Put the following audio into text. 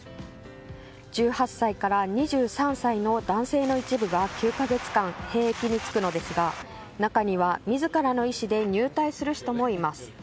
１８歳から２３歳の男性の一部が９か月間、兵役に就くのですが中には自らの意志で入隊する人もいます。